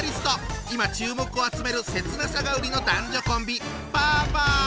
今注目を集める切なさが売りの男女コンビ！